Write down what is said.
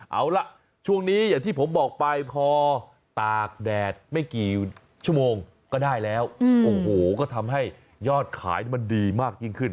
เอาล่ะช่วงนี้อย่างที่ผมบอกไปพอตากแดดไม่กี่ชั่วโมงก็ได้แล้วโอ้โหก็ทำให้ยอดขายมันดีมากยิ่งขึ้น